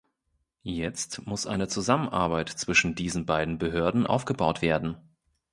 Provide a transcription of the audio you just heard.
Jetzt muss eine Zusammenarbeit zwischen diesen beiden Behörden aufgebaut werden.